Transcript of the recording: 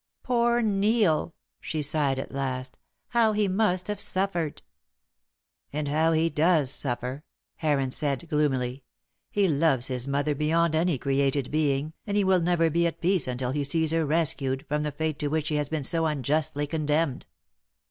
"Poor Neil!" she sighed at last. "How he must have suffered!" "And how he does suffer," Heron said, gloomily. "He loves his mother beyond any created being, and he will never be at peace until he sees her rescued from the fate to which she has been so unjustly condemned."